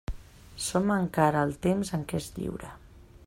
Som encara al temps en què és lliure.